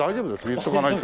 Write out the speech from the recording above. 言っとかないと。